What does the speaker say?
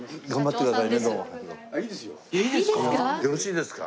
いいですか？